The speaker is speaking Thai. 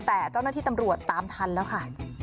แต่เจ้าหน้าที่ตำรวจตามทันแล้วค่ะ